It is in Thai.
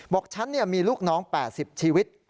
บอกฉันมีลูกน้อง๘๐ชีวิต